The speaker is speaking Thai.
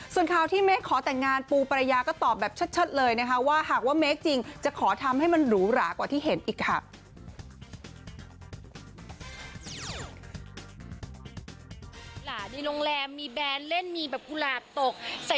ส่วนข่าวที่เมคขอแต่งงานปูปรยาก็ตอบแบบชัดเลยนะคะว่าหากว่าเมคจริงจะขอทำให้มันหรูหรากว่าที่เห็นอีกค่ะ